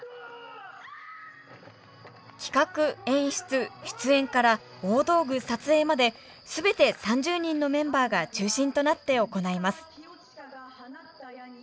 企画演出出演から大道具撮影まで全て３０人のメンバーが中心となって行います。